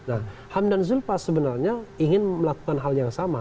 nah hamdan zulfas sebenarnya ingin melakukan hal yang sama